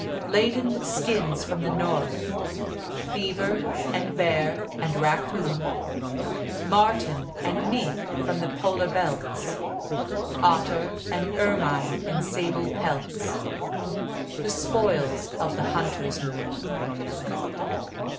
Laden with skins from the north, Beaver and bear and raccoon, Marten and mink from the polar belts, Otter and ermine and sable pelts The spoils of the hunter's moon.